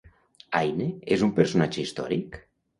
Áine és un personatge històric?